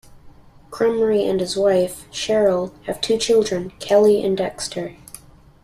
Krumrie and his wife, Cheryl, have two children, Kelly and Dexter.